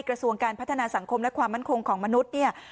กระทรวงการพัฒนาสังคมและความมั่นคงของมนุษย์เนี่ย